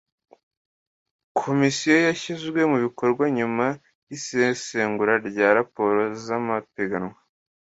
komisiyo yashyizwe mu bikorwa nyuma y isesengura rya raporo z amapiganwa